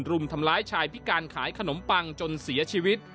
รุมทำร้ายชายพิการขายขนมปังจนเสียชีวิต